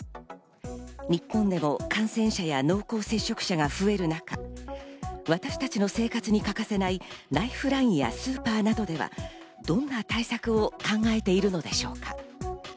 日本でも感染者や濃厚接触者が増える中、私たちの生活に欠かせないライフラインやスーパーなどではどんな対策を考えているのでしょうか？